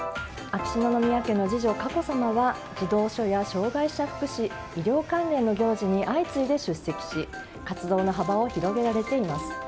秋篠宮家の次女・佳子さまは児童書や障害者福祉医療関連の行事に相次いで出席し活動の幅を広げられています。